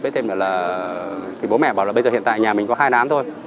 thì bố mẹ bảo là bây giờ hiện tại nhà mình có hai đám thôi